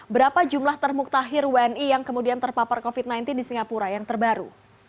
berapa jumlah termuktahir wni yang kemudian terpapar covid sembilan belas di singapura yang terbaru